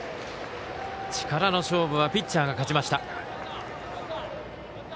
力の勝負はピッチャーが勝ちました。